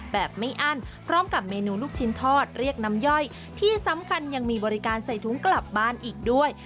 แบบไม่อั้นพร้อมกับเมนูลูกชิ้นทอดเรียกน้ำย่อยที่สำคัญยังมีบริการใส่ถุงกลับบ้านอีกด้วย